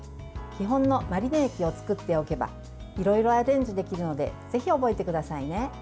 基本のマリネ液を作っておけばいろいろアレンジできるのでぜひ覚えてくださいね。